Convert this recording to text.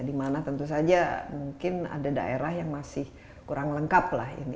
di mana tentu saja mungkin ada daerah yang masih kurang lengkap